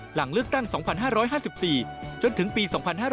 หลังเลือกตั้ง๒๕๕๔จนถึงปี๒๕๕๙